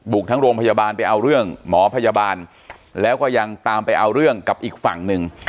ทั้งโรงพยาบาลไปเอาเรื่องหมอพยาบาลแล้วก็ยังตามไปเอาเรื่องกับอีกฝั่งหนึ่ง